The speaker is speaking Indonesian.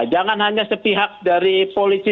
jangan hanya sepihak dari polisi